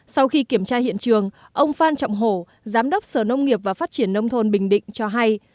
sau khi kiểm tra hiện trường ông phan trọng hổ giám đốc sở nông nghiệp và phát triển nông thôn bình định cho hay